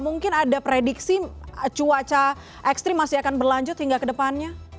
mungkin ada prediksi cuaca ekstrim masih akan berlanjut hingga ke depannya